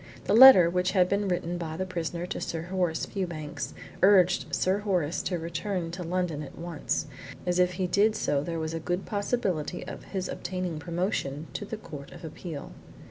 The letter, which had been written by the prisoner to Sir Horace Fewbanks, urged Sir Horace to return to London at once, as if he did so there was a good possibility of his obtaining promotion to the Court of Appeal.